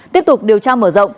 tiếp tục điều tra mở rộng